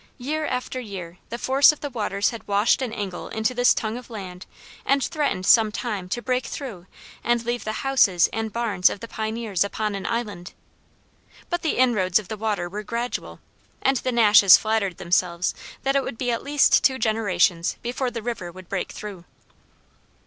Year after year the force of the waters had washed an angle into this tongue of land and threatened some time to break through and leave the houses and barns of the pioneers upon an island. But the inroads of the waters were gradual, and the Nashes flattered themselves that it would be at least two generations before the river would break through.